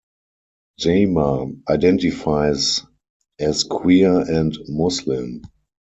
Jama identifies as queer and Muslim.